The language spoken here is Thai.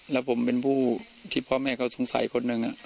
แล้วผมเป็นผู้ที่พ่อแม่เขาสงสัยคนหนึ่ง